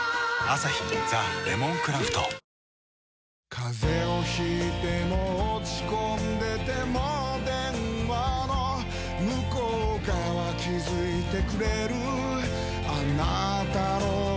風邪を引いても落ち込んでても電話の向こう側気付いてくれるあなたの声